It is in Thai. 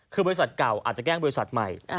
คือบริษัทเก่าอาจจะแกล้งบริษัทใหม่